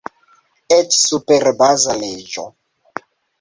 Eĉ super Baza Leĝo!